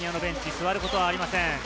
座ることはありません。